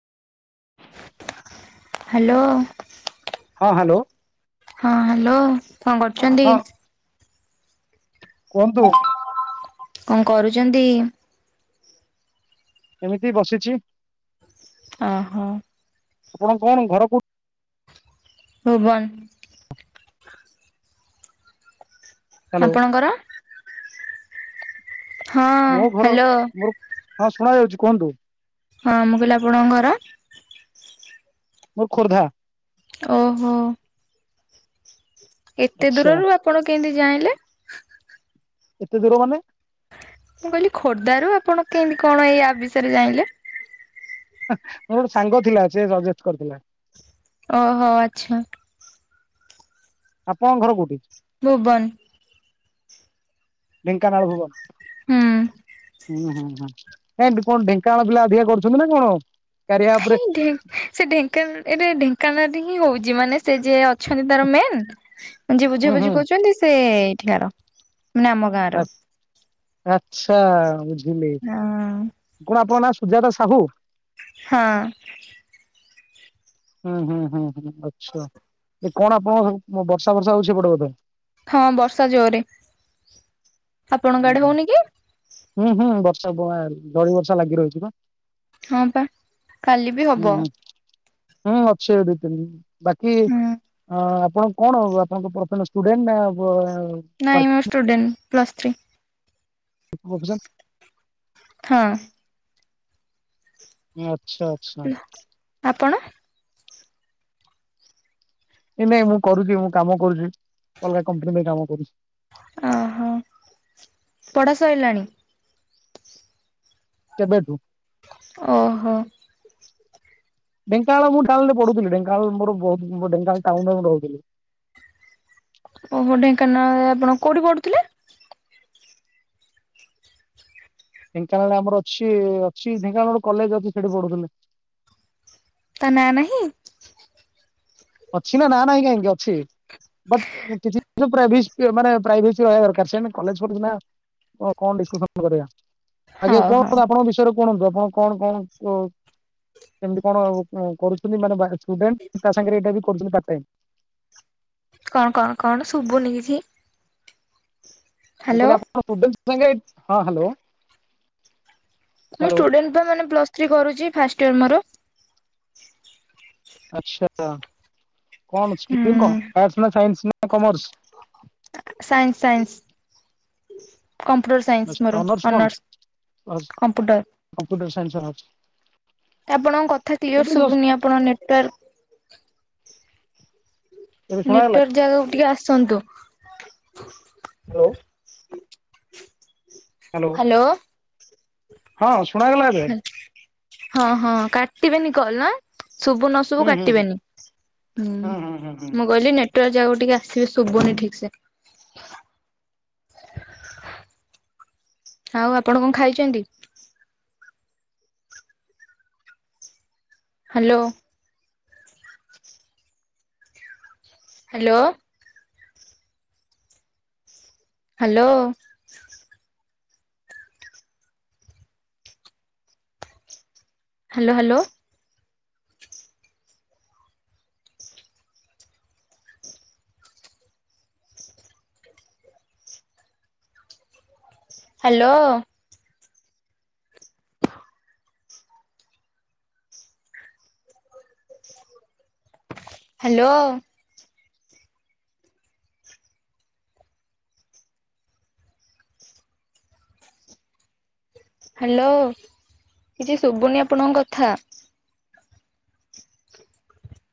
Hello. ହଁ hello. ହଁ hello କଣ କରୁଛନ୍ତି? ହଁ କୁହନ୍ତୁ? କଣ କରୁଛନ୍ତି? ଏମିତି ବସିଛି। ଓହୋ। ଆପଣ କଣ ଘର କୋ ଭୁବନ। ହ୍ୟାଲୋ ଆପଣଙ୍କର? ହଁ ମୋ ଘର ହ୍ୟାଲୋ ମୋର, ହଁ ଶୁଣା ଯାଉଛି କୁହନ୍ତୁ। ହଁ ମୁଁ କହିଲି ଆପଣଙ୍କ ଘର? ମୋର ଖୋର୍ଦ୍ଧା। ଓହୋ। ଏତେ ଆଚ୍ଛା ଦୂରରୁ ଆପଣ କେମିତି ଜାଇଲେ? ଏତେ ଦୂର ମାନେ? ମୁଁ କହିଲି ଖୋର୍ଦ୍ଧ ରୁ ଆପଣ କେମିତି କଣ ଏଇ ଆପ୍ ବିଷୟରେ ଜାଣିଲେ? ମୋର ଗୋଟେ ସାଙ୍ଗ ଥିଲା ସେ ସଜେଷ୍ଟ କରିଥିଲା। ଓହୋ ଆଚ୍ଛା। ଆପଣଙ୍କ ଘର କୋଉଠି? ଭୁବନ। ଢେଙ୍କାନାଳ ଭୁବନ। ହୁଁ। ହୁଁ ହୁଁ କାହିଁକି କଣ ଢେଙ୍କାନାଳ ପିଲା ଅଧିକା କରୁଛନ୍ତି ନା କଣ? କାରିଆ ଆପ ରେ କାହିଁକି ସେ ଢେଙ୍କାନାଳ ଏ ଢେଙ୍କାନାଳରେ ହିଁ ହଉଛି ମାନେ ସେ ଯେ ଅ ଅଛନ୍ତି ତାର ମେନ୍ ଯିଏ ବୁଝା ହୁଁ ହୁଁ ବୁଝି କରୁଛନ୍ତି ସେ ଏଇଠିକାର ଆମ ଗାଁର ଆ ଆଚ୍ଛା ବୁଝିଲି। ହଁ କଣ ଆପଣ ନାଁ ସୁଜାତା ସାହୁ? ହଁ। ହୁଁ ହୁଁ ହୁଁ ଆଚ୍ଛା। ଏ କଣ ଆପଣଙ୍କ ବର୍ଷା ଫର୍ଷା ହଉଛି ସେପଟେ ବୋଧେ ହଁ ବର୍ଷା ଜୋରରେ କି? ହୁଁ ହୁଁ ବର୍ଷା ବ ଝଡି ବର୍ଷା ଲାଗି ରହିଛି ବା। ହଁ ପା କାଲି ବି ହୁଁ ହବ। ହୁଁ ହୁଁ ଅଛି ଦି ତିନି ଦିନ ବାକି ହୁଁ ଅ ଆପଣ କଣ ‌ହେବ ଆପଣଙ୍କ ପ୍ରଥମେ ଷ୍ଟୁଡେଣ୍ଟ ନା ନାଇଁ ମୁଁ ଷ୍ଟୁଡେଣ୍ଟ୍ ପ୍ଲସ୍ ଥ୍ରୀ [unintelligible] ହଁ। ଆଚ୍ଛା। ଆଚ୍ଛା [unintelligible] ଆପଣ। ଏବେ ମୁଁ କରୁଛି ମୁଁ କାମ କରୁଛି ଅଲଗା କମ୍ପାନୀ ପାଇଁ କାମ କରୁଛି। ଓହୋ ପଢ଼ା ସଇଲାଣି? କେବେଠୁ। ଓହୋ। ଢେଙ୍କାନାଳ ମୁଁ ଟାଉନ୍ ରେ ପଢୁଥିଲି ଢେଙ୍କାନାଳ ମୋର ବହୁତ୍ ଢେଙ୍କାନାଳ ଟାଉନ୍ ରେ ରହୁଥିଲି। ଓହୋ ଢେଙ୍କାନାଳ ରେ ଆପଣ କୋଉଠି ପଢୁଥିଲେ? ଢେଙ୍କାନାଳ ରେ ଆମର ଅଛି ଅଛି ଢେଙ୍କାନାଳ ରେ ଗୋଟେ କଲେଜ୍ ଅଛି ସେଠି ପଢ଼ୁଥିଲି। ତା ନା ନାହିଁ। ଅଛି ନା ନାଁ ନାହିଁ କାହିଁକି ଅଛି। ବଟ୍ କିଛି ମାନେ ପ୍ରାଭେସି ମାନେ ପ୍ରାଇଭେସୀ ରହିବା ଦରକାର କଲେଜ୍ ଫଲେଜ୍ ନାଁ ଓହୋ କଣ ଡିସକସନ୍ କରିବା ଆଉ ଆଜ୍ଞା ହଉ ହଉ କଣ ଆପଣଙ୍କ ବିଷୟରେ କୁ ଶୁଣନ୍ତୁ ଆପଣ କଣ କଣ କେମିତି କଣ କରୁଛନ୍ତି ମାନେ ବା ଷ୍ଟୁଡେଣ୍ଟ୍ ତା ସାଙ୍ଗରେ ଏଇଟା ବି କରୁଛନ୍ତି ପାର୍ଟ ଟାଇମ୍ କଣ କଣ କଣ ଶୁଭୁନି କିଛି। ମୁଁ ହ୍ୟାଲୋ କହିଲି ଆପଣ ଷ୍ଟୁଡେଣ୍ଟ୍ ସାଙ୍ଗେ ହଁ ହ୍ୟାଲୋ। ମୁଁ ହ୍ୟାଲୋ ଷ୍ଟୁଡେଣ୍ଟ୍ ପା ମାନେ ପ୍ଲସ ଥ୍ରୀ କରୁଛି ଫାଷ୍ଟ୍ ଇୟର ମୋର ଆଚ୍ଛା କଣ ହୁଁ [unintelligible] ଆର୍ଟସ ନା ସାଇନ୍ସୀ ନା commerce? Science science. Computer science ମୋର ଅନର୍ସ କଣ? Honours computer computer science honours. ଆପଣଙ୍କ କଥା କ୍ଲିୟର ଏବେ ଜଷ୍ଟ ଶୁଭୁନି ଆପଣଙ୍କ ନେଟୱାର୍କ ଏବେ ଶୁଣାଗଲା ନେଟୱାର୍କ ଜାଗାକୁ ଟିକେ ଆସନ୍ତୁ। ହ୍ୟାଲୋ। ହ୍ୟାଲୋ। ହଁ ଶୁଣାଗଲା ଏବେ। ହଁ ହଁ କାଟିବେନି କଲ୍ ନା ଶୁଭୁ ନ ଶୁ ଭୁ ହୁଁ ହୁଁ ହୁଁ କାଟିବେନି ହୁଁ ମୁଁ କହିଲି ନେଟୱାର୍କ ଯାଗାକୁ ଟିକେ ଆସିବେ ଶୁଭୁନି ଠିକ ସେ। ଆଉ ଆପଣ କଣ ଖାଇଛନ୍ତି? Hello. Hello. Hello. Hello hello. Hello. Hello. Hello କିଛି ଶୁଭୁନି ଆପଣଙ୍କ କଥା।